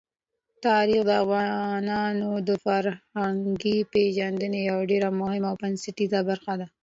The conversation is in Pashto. تاریخ د افغانانو د فرهنګي پیژندنې یوه ډېره مهمه او بنسټیزه برخه ده.